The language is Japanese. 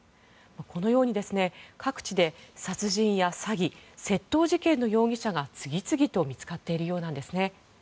このように、各地で殺人や詐欺・窃盗事件の容疑者が次々と見つかっているようです。